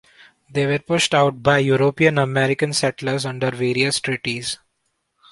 They were pushed out by European-American settlers under various treaties.